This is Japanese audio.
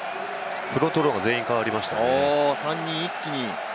フロントローが全員代わりましたね。